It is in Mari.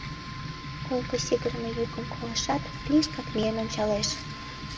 Койко сигырыме йӱкым колешат, лишкак миен ончалеш.